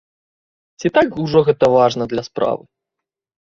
Ці так ужо гэта важна для справы?